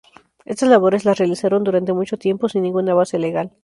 Estas labores las realizaron durante mucho tiempo sin ninguna base legal.